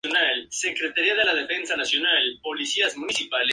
Como resultado fue destruido por el semi-dios.